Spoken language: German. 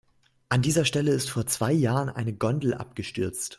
An dieser Stelle ist vor zwei Jahren eine Gondel abgestürzt.